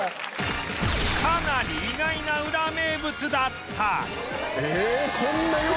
かなり意外なウラ名物だった